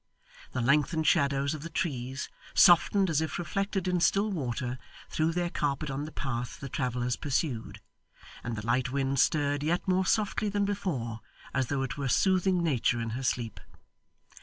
The lengthened shadows of the trees, softened as if reflected in still water, threw their carpet on the path the travellers pursued, and the light wind stirred yet more softly than before, as though it were soothing Nature in her sleep.